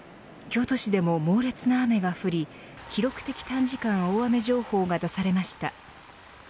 京都市でも猛烈な雨が降り記録的短時間大雨情報が出されました。